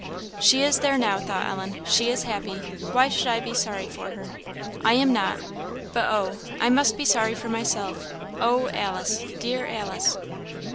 "She is there now," thought Ellen; "she is happy; why should I be sorry for her? I am not; but oh! I must be sorry for myself Oh! Alice! dear Alice!"